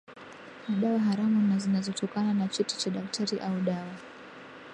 na dawa haramu na zinazotokana na cheti cha daktari au dawa